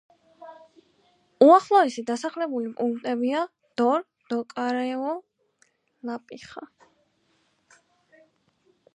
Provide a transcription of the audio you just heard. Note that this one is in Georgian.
უახლოესი დასახლებული პუნქტებია: დორ, ტოკარევო, ლაპიხა.